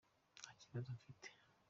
ntakibazo mfite.